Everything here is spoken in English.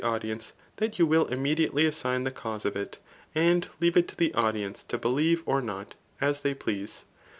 audience, that you will immediately assign the cause of it, and leave it to the audience to believe or not, as Aey please.